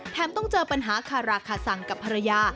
ต้องเจอปัญหาคาราคาสังกับภรรยา